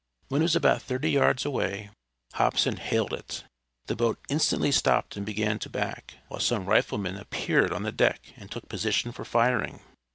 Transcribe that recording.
When it was about thirty yards away Hobson hailed it. The boat instantly stopped and began to back, while some riflemen appeared on the deck and took position for firing.